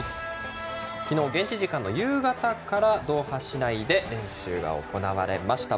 昨日の現地時間の夕方からドーハ市内で練習が行われました。